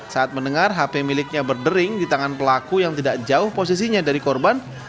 saat mendengar hp miliknya berdering di tangan pelaku yang tidak jauh posisinya dari korban